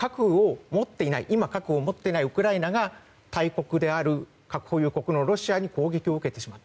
つまり今核を持っていないウクライナが大国である核保有国のロシアに攻撃を受けた。